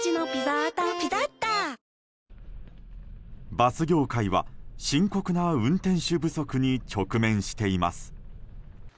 バス業界は深刻な運転手不足に直面しています。